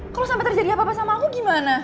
kalau sampai terjadi apa apa sama aku gimana